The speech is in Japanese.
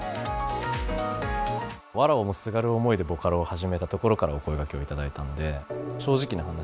わらをもすがる思いでボカロを始めたところからお声がけをいただいたので正直な話